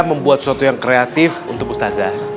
membuat sesuatu yang kreatif untuk ustazah